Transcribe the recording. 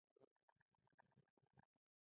کوربه د کورنۍ د آرامتیا ملاتړ کوي.